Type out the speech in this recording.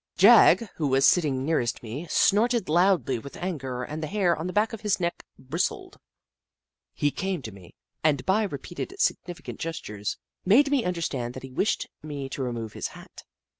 Jagg, who was sit Jagg, the Skootaway Goat 49 ting near me, snorted loudly with anger and the hair on the back of his neck bristled. He came to me, and by repeated significant gestures made me understand that he wished me to remove his hat.